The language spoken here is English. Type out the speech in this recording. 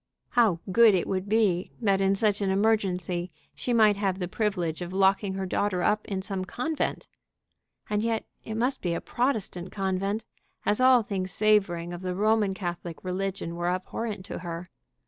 How good it would be that in such an emergency she might have the privilege of locking her daughter up in some convent! And yet it must be a Protestant convent, as all things savoring of the Roman Catholic religion were abhorrent to her.